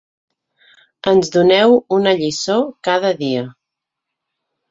Ens doneu una lliçó cada dia.